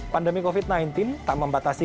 pandemi covid sembilan belas tak membatasi